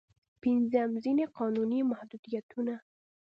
پنځم: ځينې قانوني محدودیتونه.